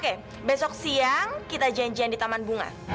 oke besok siang kita janjian di taman bunga